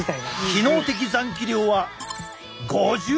機能的残気量は５２％！